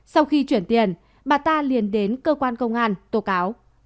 sau khi chuyển tiền bà ta liền đến cơ quan công an tố cáo